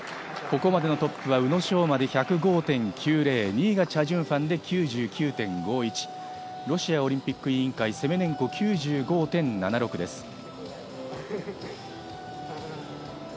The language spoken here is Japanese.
ここまでのトップは宇野昌磨で１０５．９０２位がチャ・ジュンファンで９９．５１ロシアオリンピック委員会セメネンコ、９５．７６です。